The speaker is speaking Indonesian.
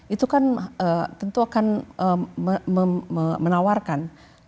itu kan tentu akan menawarkan